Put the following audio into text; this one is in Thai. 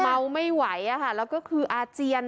เมาไม่ไหวแล้วก็คืออาเจียน